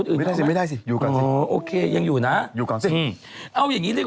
ทุกวันมีแต่เรื่องร่างทรง